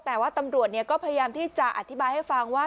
แต่ว่าตำรวจก็พยายามที่จะอธิบายให้ฟังว่า